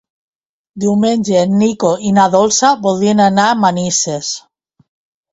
Diumenge en Nico i na Dolça voldrien anar a Manises.